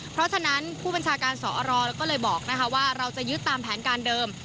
เพราะฉะนั้นผู้บัญชาการสอรก็เลยบอกว่าเราจะยึดตามแผนการเดิม